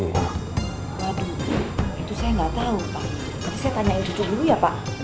waduh itu saya nggak tahu pak tadi saya tanyain cucu dulu ya pak